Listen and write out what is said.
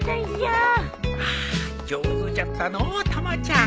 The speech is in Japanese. ああ上手じゃったのうたまちゃん。